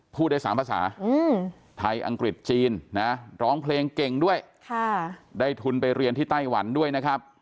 พูดได้๓ภาษาไทยอังกฤษจีนนะร้องเพลงเก่งด้วยได้ทุนไปเรียนที่ไต้หวันด้วยนะครับ